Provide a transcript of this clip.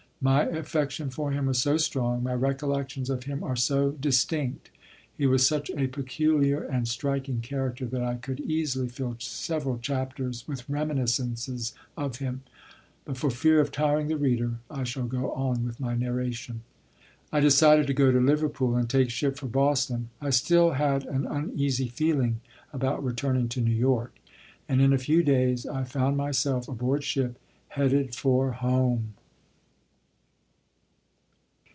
My affection for him was so strong, my recollections of him are so distinct, he was such a peculiar and striking character, that I could easily fill several chapters with reminiscences of him; but for fear of tiring the reader I shall go on with my narration. I decided to go to Liverpool and take ship for Boston. I still had an uneasy feeling about returning to New York; and in a few days I found myself aboard ship headed for home.